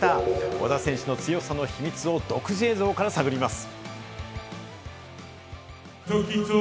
小田選手の強さの秘密を独自映像から探ります。